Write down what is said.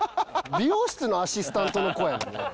美容室のアシスタントの子やんね。